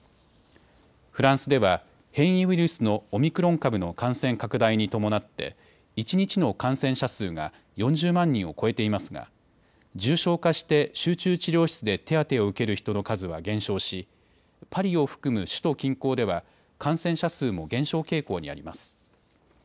フランスでは変異ウイルスのオミクロン株の感染拡大に伴って一日の感染者数が４０万人を超えていますが重症化して集中治療室で手当てを受ける人の数は減少し、パリを含む首都近郊では感染者数も減少傾向にあります。